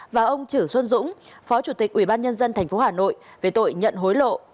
và ông chử xuân dũng phó chủ tịch ubnd tp hà nội về tội nhận hối lộ